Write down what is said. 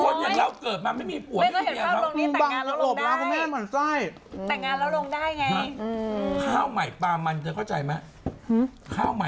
คนอย่างเราเกิดมาไม่มีผัวให้แข็งเมียเขา